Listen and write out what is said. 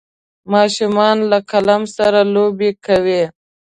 ماشومان له قلم سره لوبې کوي.